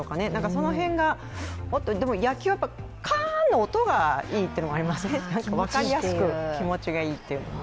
その辺が、野球はやっぱりカーンの音がいいっていうのもありませんか、分かりやすく気持ちがいいというのが。